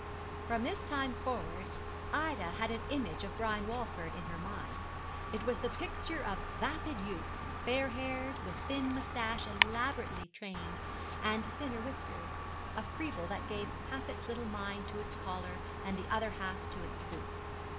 From this time forward Ida had an image of Brian Walford in her mind. It was the picture of a vapid youth, fair haired, with thin moustache elaborately trained, and thinner whiskers a fribble that gave half its little mind to its collar, and the other half to its boots.